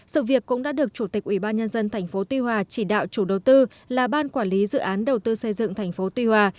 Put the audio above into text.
sự việc cũng đã được chủ tịch ubnd tp tuy hòa chỉ đạo chủ đầu tư là ban quản lý dự án đầu tư xây dựng tp tuy hòa